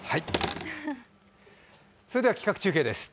それでは企画中継です。